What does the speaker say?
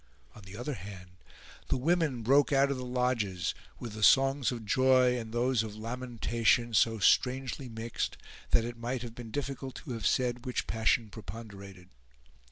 On the other hand, the women broke out of the lodges, with the songs of joy and those of lamentation so strangely mixed that it might have been difficult to have said which passion preponderated.